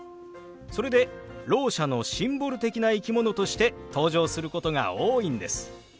それでろう者のシンボル的な生き物として登場することが多いんです。